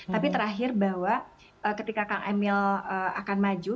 tapi terakhir bahwa ketika kang emil akan maju